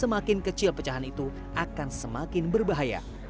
semakin kecil pecahan itu akan semakin berbahaya